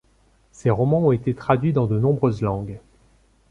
Ses romans ont été traduits dans de nombreuses langues.